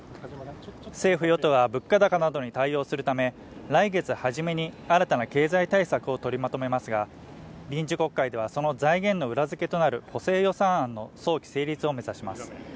政府・与党は物価高などに対応するため来月初めに新たな経済対策を取りまとめますが臨時国会ではその財源の裏付けとなる補正予算案の早期成立を目指します